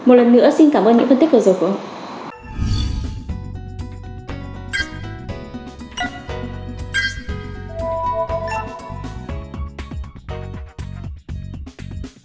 một lần nữa xin cảm ơn những phân tích của dục ổng